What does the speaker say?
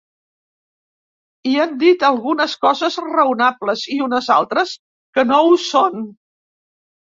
I han dit algunes coses raonables i unes altres que no ho són.